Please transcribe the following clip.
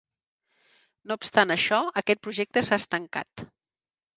No obstant això, aquest projecte s'ha estancat.